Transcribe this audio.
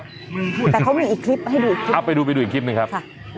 แต่เขามีอีกคลิปให้ดูเอาไปดูไปดูอีกคลิปหนึ่งครับค่ะ